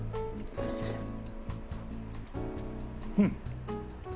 うん！